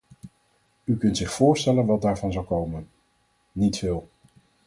U kunt zich voorstellen wat daarvan zal komen - niet veel.